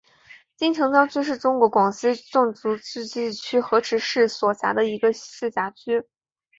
金城江区是中国广西壮族自治区河池市所辖的一个市辖区。